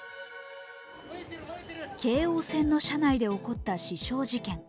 京王線の車内で起こった刺傷事件。